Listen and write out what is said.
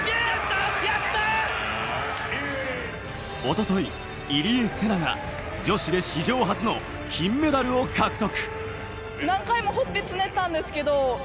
一昨日、入江聖奈が女子で史上初の金メダルを獲得。